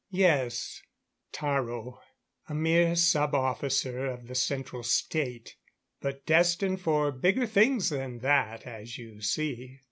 "Yes. Taro. A mere sub officer of the Central State. But destined for bigger things than that, as you see.